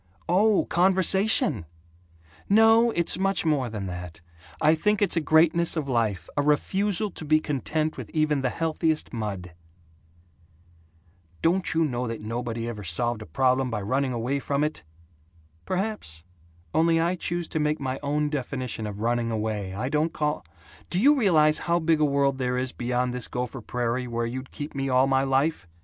"Oh, conversation! No, it's much more than that. I think it's a greatness of life a refusal to be content with even the healthiest mud." "Don't you know that nobody ever solved a problem by running away from it?" "Perhaps. Only I choose to make my own definition of 'running away' I don't call Do you realize how big a world there is beyond this Gopher Prairie where you'd keep me all my life?